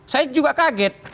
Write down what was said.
saya juga kaget